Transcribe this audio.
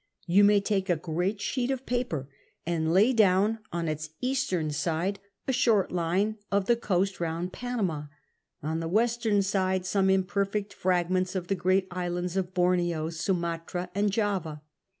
You may take a great sheet of paper and lay down on its eastern side a shoi't line of the coast round Panama ; on the western side some im perfect fragments of the great islands of Borneo, Sumatra, and Java.